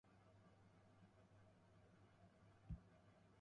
「おい、この家があやしいぜ。ごらん、門のなかにも、バッジが落ちているじゃないか。ほら、あすこにさ」